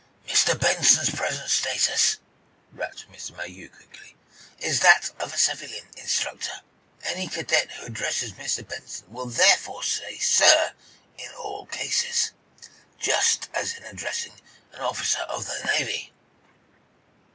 "Mr. Benson's present status," rapped Mr. Mayhew, quickly, "is that of a civilian instructor. Any cadet who addresses Mr. Benson will therefore say 'sir,' in all cases, just as in addressing an officer of the Navy."